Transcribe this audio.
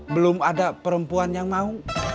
belum ada perempuan yang mau